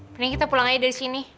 kemudian kita pulang aja dari sini